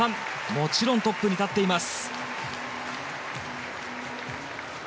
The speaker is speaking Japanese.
もちろんトップに立っています。